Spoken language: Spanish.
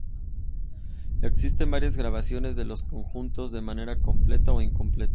Existen varias grabaciones de los conjuntos, de manera completa o incompleta.